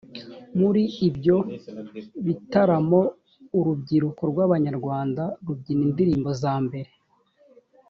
muri ibyo bitaramo urubyiruko rw abanyarwanda rubyina indirimbo za mbere